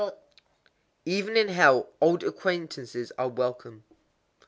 _ Even in hell old acquaintances are welcome.